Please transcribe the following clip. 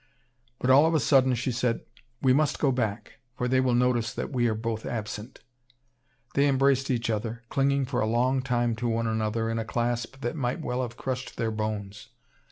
But, all of a sudden, she said: "We must go back, for they will notice that we are both absent." They embraced each other, clinging for a long time to one another in a clasp that might well have crushed their bones.